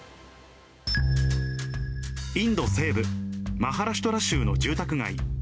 インド西部マハラシュトラ州の住宅街。